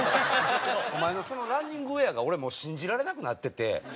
お前のそのランニングウェアが俺もう信じられなくなってて。